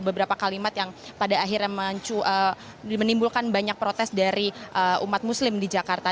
beberapa kalimat yang pada akhirnya menimbulkan banyak protes dari umat muslim di jakarta